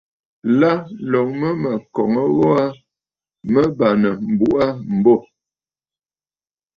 Lâ, ǹloŋ ajàŋ yìi mə mə̀ kɔ̀ŋə gho aa, mə bàŋnə̀ m̀buꞌu aa m̀bô.